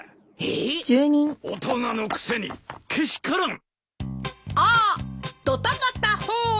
大人のくせにけしからん！